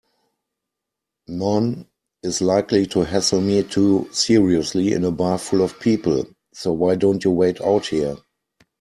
Noone is likely to hassle me too seriously in a bar full of people, so why don't you wait out here?